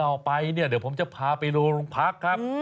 ถ้าไปเดี๋ยวผมจะพาไปโลงพักครับ